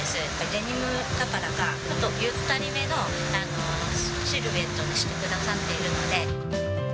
デニムだからか、ちょっとゆったりめのシルエットにしてくださっているので。